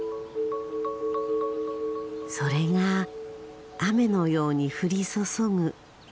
それが雨のように降り注ぐ。